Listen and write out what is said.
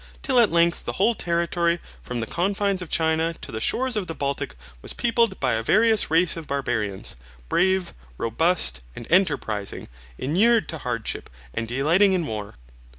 Till at length the whole territory, from the confines of China to the shores of the Baltic, was peopled by a various race of Barbarians, brave, robust, and enterprising, inured to hardship, and delighting in war.